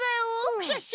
クシャシャ！